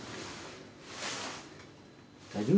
大丈夫。